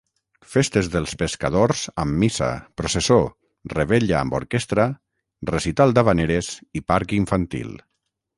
Festes dels Pescadors amb missa, processó, revetlla amb orquestra, recital d'havaneres i parc infantil.